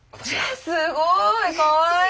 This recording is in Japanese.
えっすごいかわいい！